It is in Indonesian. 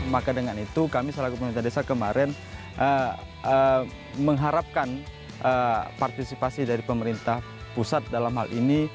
maka dengan itu kami selaku pemerintah desa kemarin mengharapkan partisipasi dari pemerintah pusat dalam hal ini